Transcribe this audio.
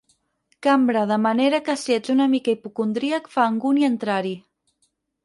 Cambra”, de manera que si ets una mica hipocondríac fa angúnia entrar-hi.